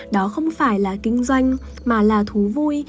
đó không phải là kinh doanh mà là thú vui